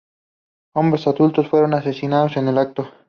Hombres adultos fueron asesinados en el acto.